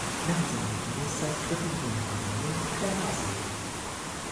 Während seiner Regierungszeit griffen die Römer Armenien und Kleinasien an.